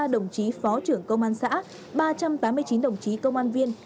một trăm linh ba đồng chí phó trưởng công an xã ba trăm tám mươi chín đồng chí công an viên